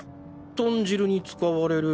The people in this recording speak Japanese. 豚汁に使われる？